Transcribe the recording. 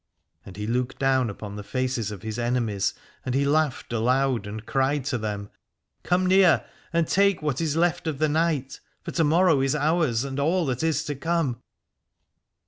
And he looked down upon the faces of his enemies and he laughed aloud and cried to them: Come near and take what is left of the night, for to morrow is ours and all that is to come.